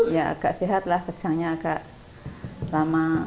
ya agak sehat lah kejangnya agak lama